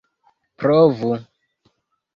provu